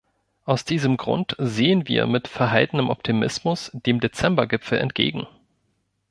Aus diesem Grund sehen wir mit verhaltenem Optimismus dem Dezember-Gipfel entgegen.